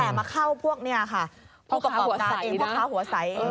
แต่มาเข้าพวกเนี่ยค่ะผู้ประกอบการเองพ่อค้าหัวใส